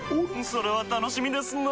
それは楽しみですなぁ。